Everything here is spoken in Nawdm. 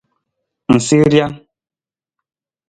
Ng sii rijang.